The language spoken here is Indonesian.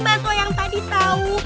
bahasa wayang tadi tau